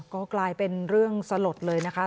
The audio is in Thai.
ก็กลายเป็นเรื่องสลดเลยนะคะ